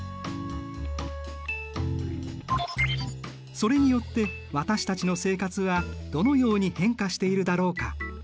それによって私たちの生活はどのように変化しているだろうか。